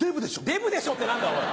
「デブでしょ」って何だおい。